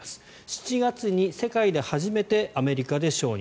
７月に世界で初めてアメリカで承認。